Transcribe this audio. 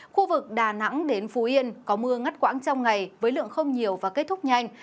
khu vực đà nẵng đến phú yên có mưa ngắt quãng trong ngày với lượng không nhiều và kết thúc nhanh